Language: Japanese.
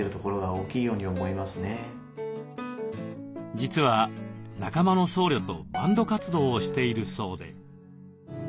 実は仲間の僧侶とバンド活動をしているそうで。